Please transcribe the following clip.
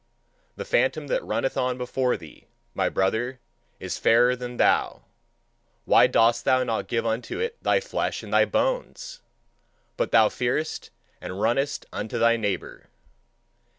The phantom that runneth on before thee, my brother, is fairer than thou; why dost thou not give unto it thy flesh and thy bones? But thou fearest, and runnest unto thy neighbour.